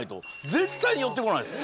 絶対に寄ってこないです。